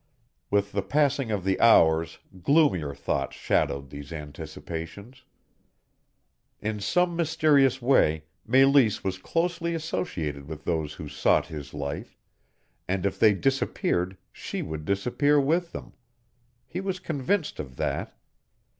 With the passing of the hours gloomier thoughts shadowed these anticipations. In some mysterious way Meleese was closely associated with those who sought his life, and if they disappeared she would disappear with them. He was convinced of that.